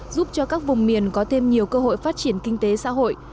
giúp cho các vùng miền có thêm nhiều cơ hội phát triển kinh tế xã hội